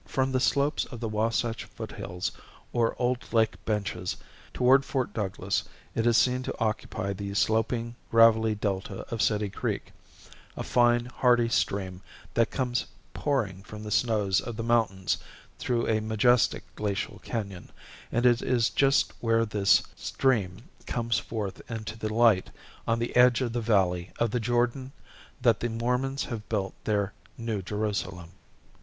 From the slopes of the Wahsatch foothills, or old lake benches, toward Fort Douglas it is seen to occupy the sloping gravelly delta of City Creek, a fine, hearty stream that comes pouring from the snows of the mountains through a majestic glacial cañon; and it is just where this stream comes forth into the light on the edge of the valley of the Jordan that the Mormons have built their new Jerusalem.